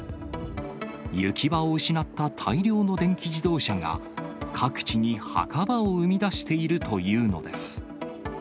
行き場を失った大量の電気自動車が各地に墓場を生み出しているというのです。